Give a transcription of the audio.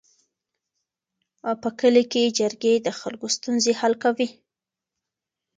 په کلي کې جرګې د خلکو ستونزې حل کوي.